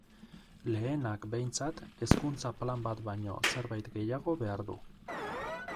Lehenak, behintzat, Hezkuntza Plan bat baino zerbait gehiago behar du.